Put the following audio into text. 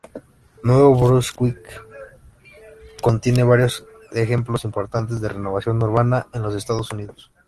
Nuevo Brunswick contiene varios ejemplos importantes de renovación urbana en los Estados Unidos.